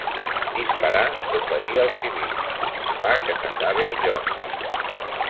Disparar o ferir als civils, fa que s'acabe el joc.